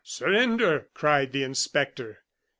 "Surrender!" cried the inspector.